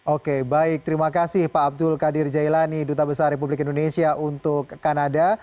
oke baik terima kasih pak abdul qadir jailani duta besar republik indonesia untuk kanada